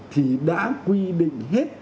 thì đã quy định hết